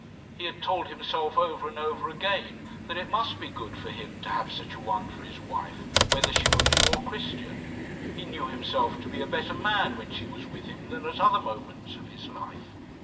He had told himself over and over again that it must be good for him to have such a one for his wife, whether she were Jew or Christian. He knew himself to be a better man when she was with him than at other moments of his life.